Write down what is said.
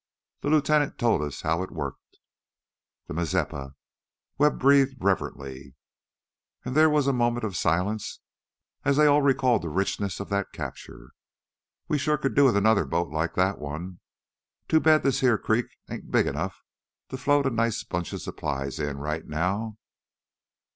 The lieutenant told us how it worked " "The Mazeppa!" Webb breathed reverently, and there was a moment of silence as they all recalled the richness of that capture. "We shore could do with another boat like that one. Too bad this heah crick ain't big 'nough to float a nice bunch of supplies in, right now."